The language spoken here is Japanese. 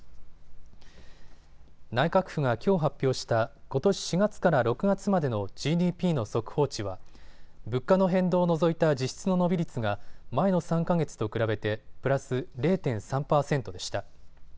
内閣府がきょう発表したことし４月から６月までのＧＤＰの速報値は物価の変動を除いた実質の伸び率が前の３か月と比べてプラス０．３％でした。